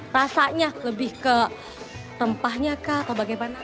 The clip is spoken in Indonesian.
rasanya lebih ke rempahnya kah atau bagaimana